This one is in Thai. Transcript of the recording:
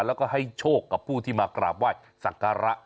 แล้วก็ให้โชคกับผู้ที่มากราบไหว้สักการะ